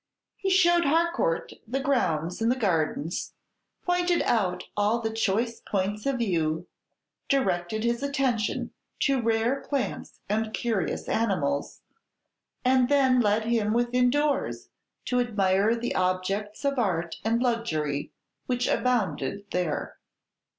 He showed Harcourt the grounds and the gardens, pointed out all the choice points of view, directed his attention to rare plants and curious animals; and then led him within doors to admire the objects of art and luxury which abounded there.